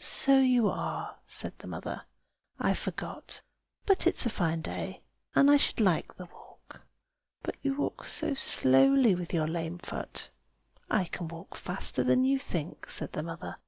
"So you are!" said the mother. "I forgot. But it is a fine day, and I should like the walk." "But you walk so slowly, with your lame foot." "I can walk faster than you think!" said the mother.